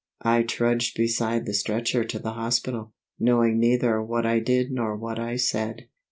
I trudged beside the stretcher to the hospital, knowing neither what I did nor what I said.